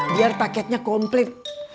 biar paketnya komplit